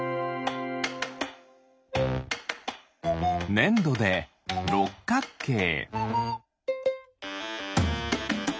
ねんどでろっかくけい。